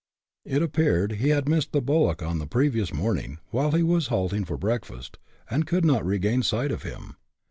It appeared that he had missed the bullock on the previous morning, while he was halting for breakfast, and could not regain sight of him.